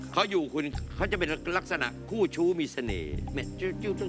เขาอยู่คุณเขาจะเป็นลักษณะคู่ชู้มีเสน่ห์